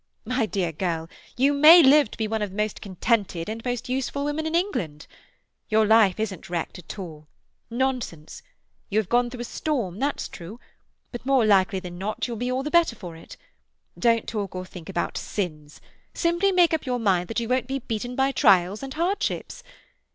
My dear girl, you may live to be one of the most contented and most useful women in England. Your life isn't wrecked at all—nonsense! You have gone through a storm, that's true; but more likely than not you will be all the better for it. Don't talk or think about sins; simply make up your mind that you won't be beaten by trials and hardships.